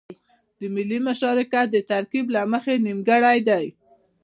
د ملي مشارکت د ترکيب له مخې نيمګړی دی.